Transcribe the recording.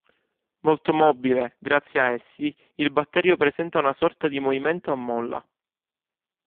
Molto mobile, grazie a essi, il batterio presenta una sorta di movimento a molla.